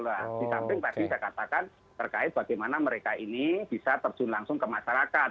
di samping tadi saya katakan terkait bagaimana mereka ini bisa terjun langsung ke masyarakat